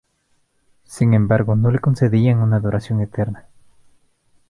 Sin embargo no le concedían una duración eterna.